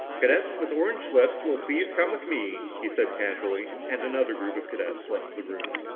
"Cadets with orange slips will please come with me," he said casually, and another group of cadets left the room.